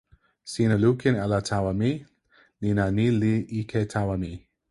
sina lukin ala tawa mi, la ni li ike tawa mi.